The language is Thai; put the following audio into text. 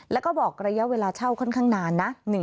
แล้วก็บอกระยะเวลาเช่าค่อนข้างนานนะ